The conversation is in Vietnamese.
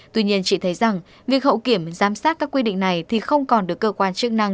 tuy nhiên chị thấy rằng việc hậu kiểm giám sát các quy định này thì không còn được cơ quan chức năng